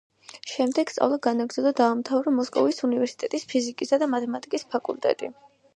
შემდეგ სწავლა განაგრძო და დაამთავარა მოსკოვის უნივერსიტეტის ფიზიკისა და მათემატიკის ფაკულტეტი.